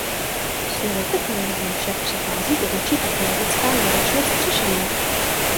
S novou technologií však přichází i větší technologická náročnost řešení.